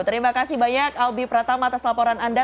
terima kasih banyak albi pratama atas laporan anda